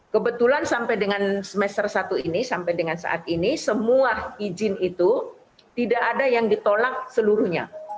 kebetulan sampai dengan semester satu ini sampai dengan saat ini semua izin itu tidak ada yang ditolak seluruhnya